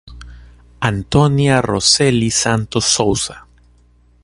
Antônia Roseli Santos Souza